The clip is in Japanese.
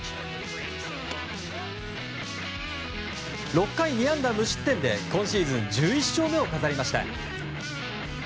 ６回２安打無失点で、今シーズン１１勝目を飾りました。